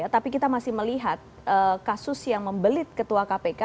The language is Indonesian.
tapi kita masih melihat kasus yang membelit ketua kpk